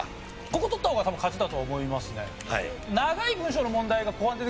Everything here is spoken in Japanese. ここ取った方が多分勝ちだと思いますね。